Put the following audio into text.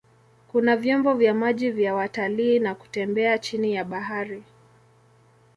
Kuna vyombo vya maji vya watalii na kutembea chini ya bahari.